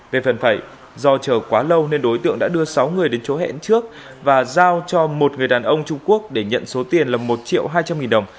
về phần phải do chờ quá lâu nên đối tượng đã đưa sáu người đến chỗ hẹn trước và giao cho một người đàn ông trung quốc để nhận số tiền là một triệu hai trăm linh nghìn đồng